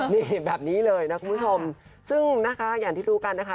นี่แบบนี้เลยนะคุณผู้ชมซึ่งนะคะอย่างที่รู้กันนะคะ